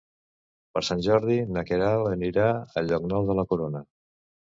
Per Sant Jordi na Queralt anirà a Llocnou de la Corona.